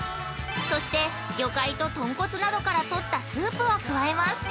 そして、魚介と豚骨などから取ったスープを加えます。